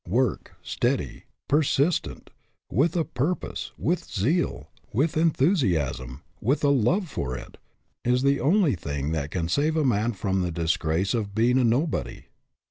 Work, steady, persistent, with a purpose, with zeal, with enthusiasm, with a love for it, is the only thing that can save a man from the disgrace of being a nobody.